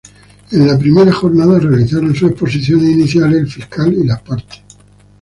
En la primera jornada, realizaron sus exposiciones iniciales el fiscal y las partes.